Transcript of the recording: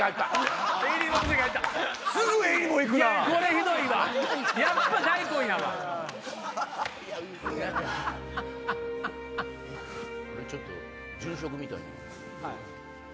これちょっと殉職みたい。